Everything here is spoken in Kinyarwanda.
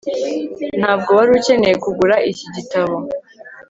ntabwo wari ukeneye kugura iki gitabo